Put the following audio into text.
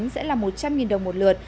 sẽ là một trăm linh đồng một lửa